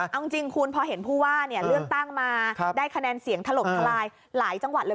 เอาจริงคุณพอเห็นผู้ว่าเลือกตั้งมาได้คะแนนเสียงถล่มทลายหลายจังหวัดเลย